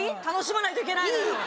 楽しまないといけないのよ